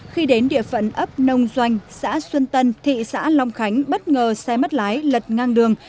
khi đến địa phận ấp nông doanh xã xuân tân thị xã long khánh bất ngờ xe mất lái lật ngang đường